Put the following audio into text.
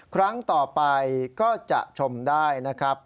ครั้งต่อไปก็จะชมได้นะครับ